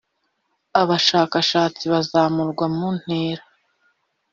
abashakashatsi bazamurwa mu ntera